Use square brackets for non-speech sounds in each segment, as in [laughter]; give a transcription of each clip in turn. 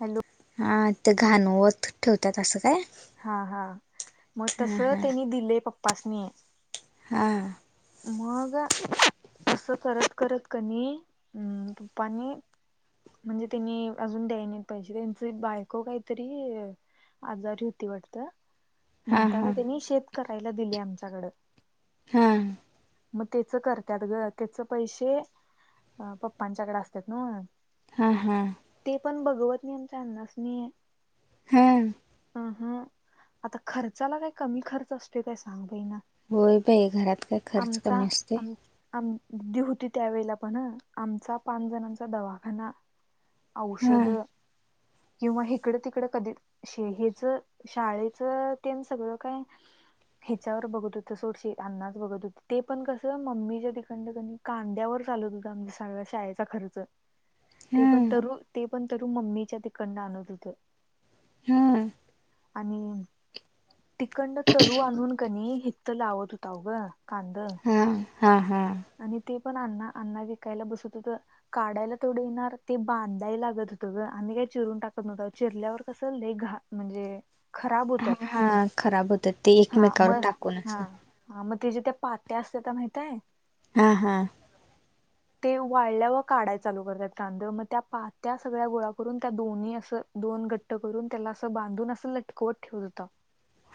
Hello. हा ते घाणवत ठेवतात असं काय? हा हा मग तस हा त्यांनी दिलेय पप्पासनी. हां. मग तस करत करत कनी अम पप्पाने म्हणजे त्यांनी अजून द्यानत पाहिजे. त्यांची बायको काहीतरी आजारी होती वाटत. हा म्हणताना हा त्यांनी शेत करायला दिले आमच्याकडं. हा. मग तेचं करतात ग. त्याच पैसे पप्पांच्याकडे असतात ना? हा हा. ते पण बघवत नाही आमच्या अन्नासनी हम्म. अ ह आता खर्चाला काय कमी खर्च असतो काय सांग बई ना? होय बाई घरात का आमचा आम आमदी होती त्यावेेळेला पण ह आमचा पाच जणांचा दवाखाना. हा औषध. किंवा इकडं तिकड कधी हच शाळेच ते सगळं काय हिच्यावर बघत हो तर सोडशी अन् बघत होते. ते पण कस मम्मीच्या तिकडं क कांद्यावर चालत होता म्हणजे सगळा शाळेचा खर्च. ते हा पण ते पण तरु मम्मीच्या तिकडन आणत होतं. हा. आणि तिकंडन तरु आणून कनी हित लावत होता अघं. हा हा हा. आणि ते पण अण्णा अण्णा विकायला बसत होत. काढायला तेवडे येणार ते बांधाय लागत होतं ग. म् काही चिरून टाकत नव्हत चिरल्यावर कसं लई घा म्हणजे खराब हा होतात, हा खराब होतात ते हा म एकमेकावर टाकून हा. असं हा मग त्याच्या ते पात्या असते त्या माहितय? हा हा ते वाळल्यावर काढाय चालू करतात कांदं, मग त्या पात्या सगळ्या गोळा करून त्या दोन्ही असं दोन गट्ट करून त्याला असं बांधून असं लटकवत ठेवत होतं.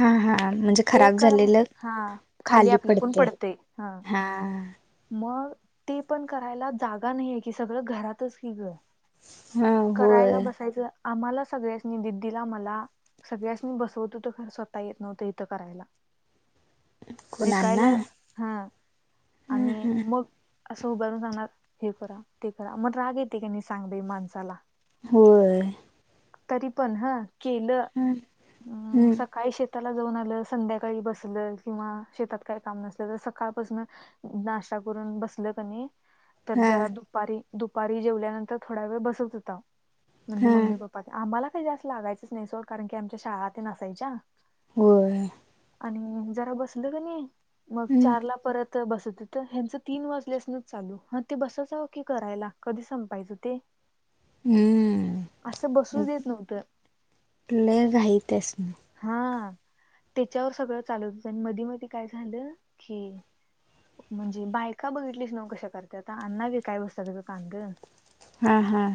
हा हा म्हणजे ते खराब कराय, झालेलं हा खाली आपल्याआपून पडतंय, हा. मग ते पण करायला जागा नाहीय की सगळं घरातच कि ग, हा करायला होय बसायचं आम्हाला सगळ्यास्नी दीदीला मला सगळ्यास्नि बसवत होतो पण स्वतः येत नव्हतं इथं करायला. कुणांना विकायला हा, हा आणि हा मग असं उभारून सांगणार. हे करा, ते करा, मग राग येते की नाय सांग बाई माणसाला. हो तरी पण हा केलं, हा अ हम्म सकाळी शे ताला जाऊन आलं. संध्याकाळी बसलं, किंवा शेतात काय काम नसलं तर सकाळपासून नाशा करून बस ल की नाय, तर हा जरा दुपारी- दुपारी जेवल्यानंतर थोडा वेळ बसत होता. म्हणजे हा मम्मी पप्पा ते, आम्हाला काही जास्त लागायचंच नाही सोड कारण की आमच्या शाळा ते नसायच्या. होय. आणि जरा बसलं की नाही, मग हम्म चारला परत बसत तर ह्यांच तीन वाज ल्यास्नच चालू, हा ते बसा जावा की करायला, कधी संपायचं ते? हम्म असं बसू देत नव्हतं. लय घाई त्यासनी हा, त्याच्यावर सगळं चालत हो आणि मधी मध काय झालं, की म्हणजे बायका बघितलीस नव कशा करत्यात, अण्णा बी काय बसतात [unintelligible] हा हा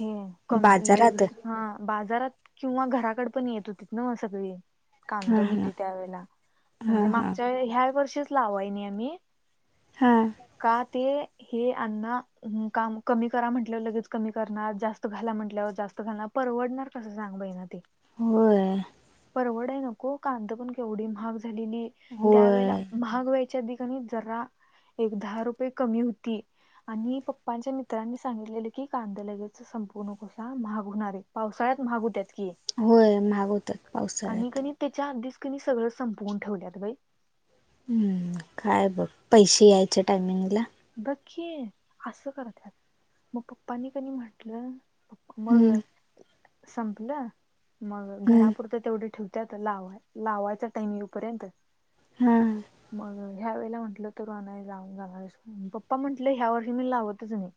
हम कम लई बाजारात हा बाजारात किंवा घराकड पण येत होती ना मग सगळी? हा कांदा हा होते त्यावेळेला, हा म्हणजे हा मागच्या ह्या वर्षीच लावाय नाही आम्ही हम्म का ते हे आण्णा, काम कमी करा म्हंटल्याव लगेच कमी करणार, जास्त घाला म्हटल्यावर जास्त घाल परवडणार कसं सांग बई ना ते? होय. परवडाय नको, कांदं पण केवढी महाग झालेली. हो त्यावेळेला, महाग होयच्या आधी की नाय जरा एक दहा रुपये कमी होती, आणि पप्पांच्या मित्रांनी सांगितलेले की कांदं लगेच संपवू नकोसा महाग होणार आहे, पावसाळ्यात महाग होत्यात की. होय, महाग होत्यात आणि पावसाळ्यात. कणी त्याच्या आधीच की नाय सगळं संपवून ठेवल्यात बाई. हम्म, काय बघ पैसे यायचे टायमिंगला बघ की असं करतत्यात, मग पप्पांनी की नाय म्हटलं मग, हम्म संपलं मग हम्म घरापुरतं तेवढे ठेव‌ त्यात लावाय, लावायचा टाइम येउपर्यंत हम् मग अ, ह्या वेळेला म्हटलं तरू आणाय जाऊ जाणार पप्पा म्हटले ह्या वर्षी मी लावतच नाही.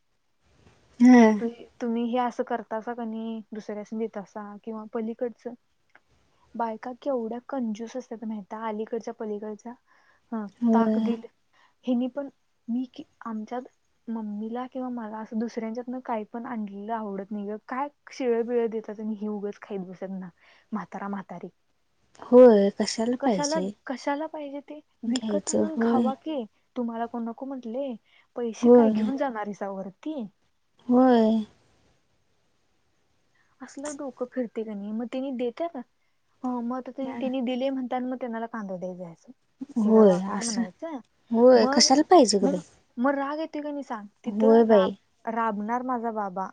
हम् त तुम्ही हे असं करतासा कनी दुसऱ्याशी दतासा किंवा पलीकडचं बायका केवढ्या कंज्यूस असतात माता अलीकडच्या पलीकडचा ह ताक होय दिल हनी पण मी क आमच्यात मम्मीला किंवा मला असं दुसऱ्यांच्यातनं काही पण आणलेलं आवडत नाही ग, काय शीळं बीळं देतात आणि ही उगच खायत बसत ना, म्हातारा म्हातारी. होय कशाला पाहिजे कशाला पाहिजे ते, विकत घ्यायचं आणून होय खावा की. तुम्हाला कोण नको म्हटले पैसे काय घेऊन जाणार आहेसावरती वय असलं डोकं फिरते का नाही मग त्यानी देत का मग त्यांनी दिले म्हणता मग त्यांना पांढर द्या जायचं हेग होय वागण असं म्हणायचं होय मग कशाला पाहिजे ग मग बाई मग राग येते का नाही सांग होय तिथं बाई राब राबणार माझा बाबा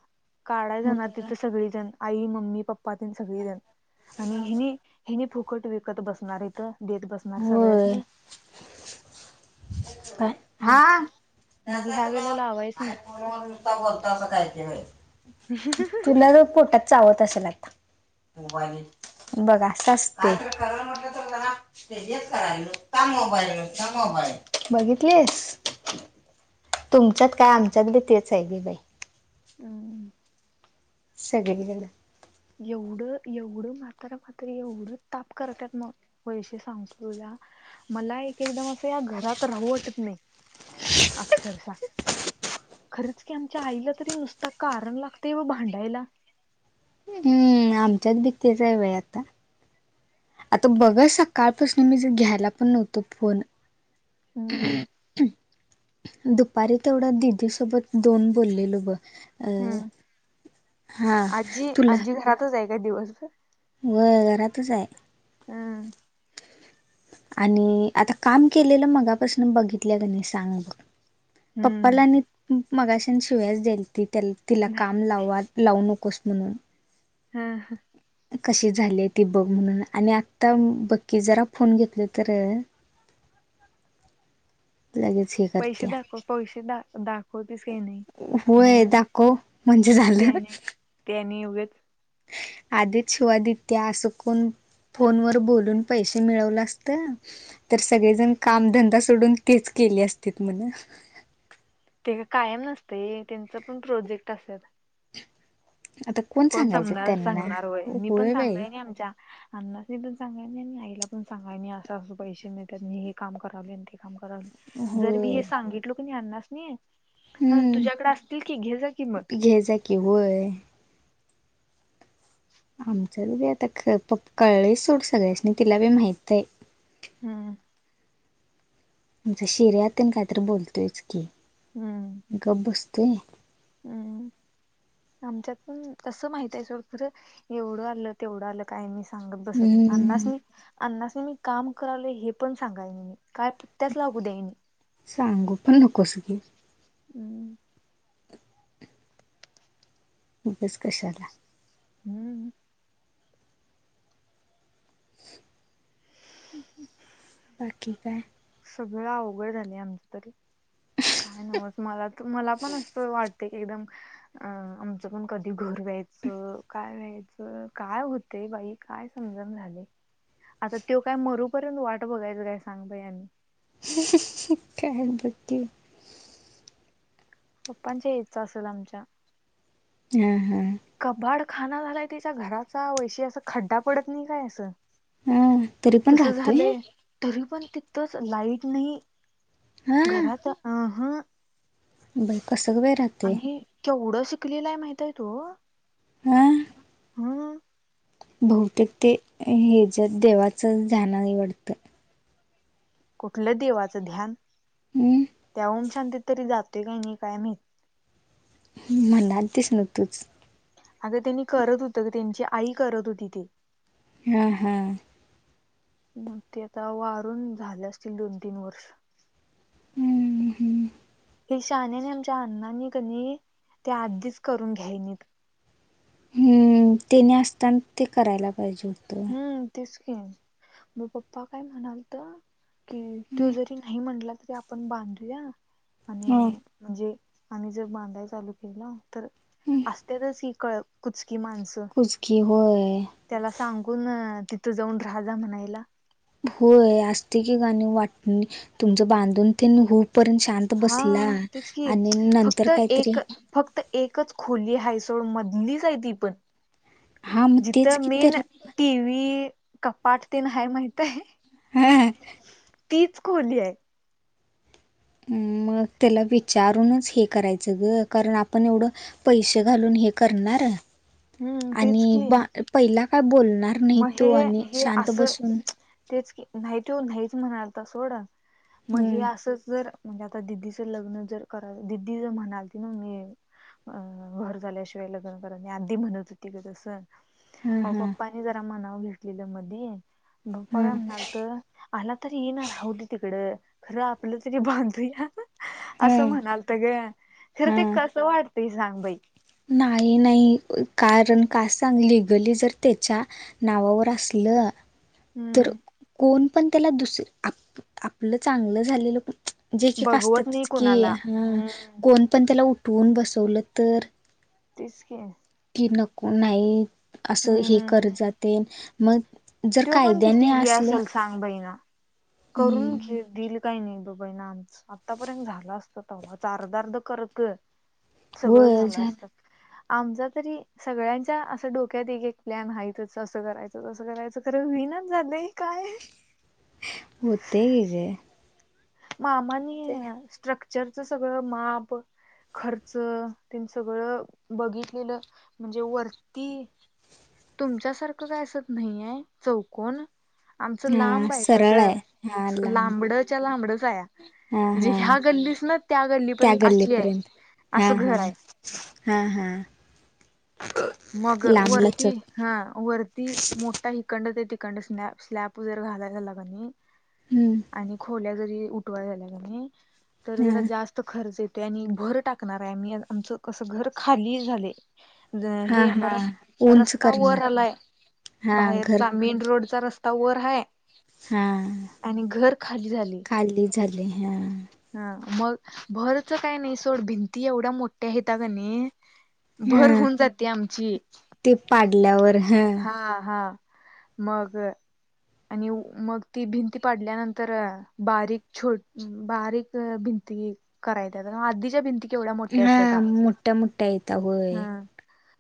काढा जाणार होय तिथं सगळीजण आई मम्मी पप्पा ति सगळीजण आणि हिनी हि फुकट विकत बसणारे तर देत बस होय काय हा. मग मग ह्या वेळे लावायच नाही त अस खयची चुला पोटात चावत असेलता बघा सचते ते येत करा मोबाईलबाईल बघितलीस तुमच्यात काय आमच्यात बी तेच आहे बी बाई हम सगे गलं एवढं एवढं मात्रा मात्र एवढं ताप करतात मग होयसे सांगतो तुला मला एक एकदम असं या घरात राहू वाटत नाही अक्षरशः खरंच की आमच्या आईला तरी नुसता कारण लागतेय व भांडायला हम् ह आमच्याच भीतीचव आहे आता आता बघा सकाळपासून मी ज घ्यायला पण नव्हतो फोन हम्म [inaudible] दुपारी तेवढा दिदी सोबत दोन बोललेलो ब अ हम्म हा आजी आजी घरातच आहे का दिवस व घरातचच आहे हम्म आणि आता काम केलेलं मगापासून बघितल्या ग नाही सांग बघ पप्पाला हम्म आणि मगाशन शिवायच द्यायल त तिला काम लाव लावू नकोस म्हणून हा हा कशी झाली ती बघ म्हणून आणि आत्ता बक्की जरा फोन घेतले तर [inaudible] लागेच पैसे दाखव पैसे द दाखवतेस काही नाही नाही होय म्हणा दाखव म्हणजे झालं टनी वथ आधीच शिवादित्या अस कोण फोनवर बोलून पैसे मिळवलं असत तर सगळेजण कामधंदा सोडून तेच केले असते म्हण ते का कायम नसते त्यांच पण प्रोजेक्ट असत आता कोण सम सांगायचं त्यांना? सांगणारोय मी पण होय बाई. सांगणारय नाही आमच्या अण्नास पण चांगाय नाही आणि आईला पण चांगाय नाही असं असं पैसे मिळतात मी हे काम करावले आणि ते काम करावले जर मी होय. हे सांगितलो की नाही यां्नाच नाही हं हम्म तुझ्याकडे असतील की घ्या जा किंमत घे जाात किंवय आमचच बी आता ख प कळले सोट सगळ्याचनी तिला बी माहित आहे. हम्. म्हणजे शिरयातन कायतरी बोलतोयच की. हम्म. ग बस्ते. हम्म आमच्यात पण कसं माहित आहे. सोडं खरं एवढं आलं. तेवढं आलं काय मी सांगत बसत नाही अण्णा च हम्म नाही. अण्णास मी काम करावले हे पण सांगायन मी काय त्याच लागू द्या म. सांगू पण नकोस घे. हम्म. खपच कशा आला हम्म. बाकी काय, सगळं अवघड झालंय आमच तरी काय नवत मला तर मला पण असं वाटते की एकदम अं आमच्या पण कधी घर व्यायचं काय व्यायचं काय होत. ते बाई काय समजून झाले. आता त काय मरूपर्यंत वाट बघायच काय सांगता या. का बकी. पप्पांच्या याच असेल आमच्या. हम हा. कबाड खाना झालाय तिच्या घराचा वैशी अस खड्डा पडत नाही काय असं. हा तरी पण तस राहतोय झालं तरी पण तितंच लाईट नाही. हा घरात अ ह. बई कसं वैर आत. आणि केवढं शिकलेलंय माहितय तो हां. हा. बहुतेक ते ह जत देवाचं झाण निवडतं. कुठलं देवाचं ध्यान. हम्. त्या ओमशांत तरी जातोय काही नाही काय महित. म्हणाल तिस नव तूच. अगं त्यांनी करत होतं त्यांची आई करत होती ते. हा हा. मग ते आता वारून झाले असतील दोन तीन वर्ष. हम्म हम्म. हे शानेने आमच्या अण्णांनी कध ते आधीच करून घ्यायच नाहीत. हम्म तेने असताना ते करायला पाहिजे होतं. हम तेस क मग पप्पा काय म्हणाल तर की तो जरी नाही. नाही म्हटलं तरी आपण बांधूया हां आणि म्हणजे आम जर बांडा चालू केला तर. असत्यातच ही कळ कुचकी माणसं. कुचकी होय. त्याला सांगून तिथं जाऊन राहा म्हणायला. होय असत की गाणी वाट तुमच बांधून ते होपर्यंत शांत. आ हा बसला तेच की आणि नंतर फक्त एक काहीतरी. फक्त एकच खोली हायसोड मधलीच आहे, ती पण. हा मग तेच जिथं की मेन तरी टीवी, कपाट तेन माहित आहे. ह. तीच खोली आहे मग त्याला विचारूनच हे करायचं ग कारण आपण एवढं पैसे घालून हे करणार हम्म तेच आणि की पहिला काय बोलणार नाही मग हे तो आणि हे शांत असं बसून तेच की माती हो नाहीच म्हणाल तर सोडा मग हे हम्म असं जर म्हणजे आता दिदीचं लग्न जर करा दिदी जर म्हणाल त ना म अ घर झाल्याशिवाय लग्न करा आधी म्हणत होती गसं हा अ हा पप्पानी जरा मनाव घेतलेलं मध्ये पप्पा काय हम्म म्हणाल तर आला तरी येणार हह दे तिकडं खरं आपलं तरी बांधूया असं हम्म म्हणाल तर ग खर ते हम्म कसं वाटतय सांग बाई नाही नाही कारण का सांग लिगली जर त्याच्या नावावर असलं. तर हम्म कोण पण त्याला दुसर आपलं चांगलं झालेलं क. जे क का बघवत नाही असतातच की कोणाला हा हम्म कोण पण त्याला उठवून बसवलं तर. तसके. की नको नाही असं हे करत हम्म जाते मग. जर तो पण किती कायद्याने ह असलं असल सांग बई ना करून हम्म घे दिल काही नाही बबाई ना आमच आत्तापर्यंत झालं असतं त च अर्ध अर्ध करत सगळं झालं असतं आमचा तरी सगळ्यांच्या असं डोक्यात एक एक प्लॅन हच असं करायचं तसं करायचं तर विना जात काय होत ग आहे मामानी स्ट्रक्चरच सगळं माप खर्च त्यां सगळं बघितलेलं म्हणजे वरती तुमच्यासारखं काय असत नाहीय चौकण आमचं हा लांब आहे सरळ आहे हा कसं लांब लांबडच्या लांबडंच आहे हा म्हणजे हा ह्या गल्लीस ना त्या गल्लीपर्यंत असली आहे गल्लीपर्यंत हा असं हा घर आहे हा हा मग वर्ती लांबलचक हा वरती मोठा हिकंड ते तिकंड स्लॅ स्लॅप वगैरे घालायला लागणी हम्म आणि खोल्या जरी उठवा झाल्या तर जरा हा जास्त खरेत आणि भर टाकणार आ आमच क घर खाली झा हा हे हा र उंच रस्ता वर करणार आलाय हा घर बाहेरचा मेन रोडचा रस्ता तवर है हा झालय खाली झाली हा हा मग भरच काय नाही सोड भिंती एवढ्या मोठ्या आहेत गणी भर हा होऊन जाते आमची ते पाडल्यावर हा हा मगर आणि मग ती भिंती पाडल्यानंतर बारीक छोट बारीक भिंती कराय आधीच्या भिंती केवढ्या मोठ्या हा असतात मोठ्या मोठ्या येत होय हा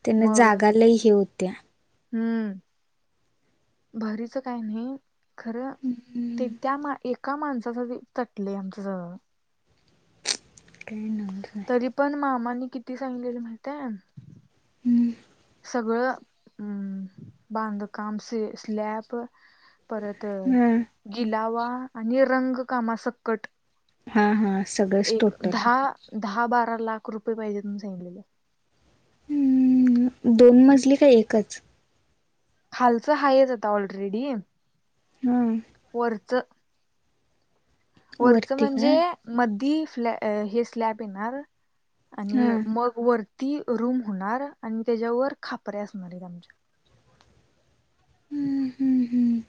त्याने मग जागालाही हे होत्या हम्म भारीचं काय नाही खरं हम्म ते त्या मा एका माणसासाठी तटले आमचं ज ट्रन तरी पण मामाांनी किती सांगलेले माहिती हम्म सगळं बांधकाम स्लॅब परत तर हा गिलावा आणि रंगकामा सकट हा हा सगळंच एक टोटल दहा दहा बारा लाख रुपये पाहिजे तुम्ही सांगलेले हम्म दोन मजली का एकच खालच हायच आता ऑलरेडी हम्म वरचं वरचं वरती म्हणजे काय मध्ये स्लॅब येणार हा आणि मगं. वरती रूम होणार आणि त्याच्यावर खापर्या असणार आहेत. आमच्या. हम्म, हम्म, हम्म,